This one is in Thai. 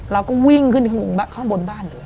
เราก็วิ่งขึ้นข้างบนบ้านเลย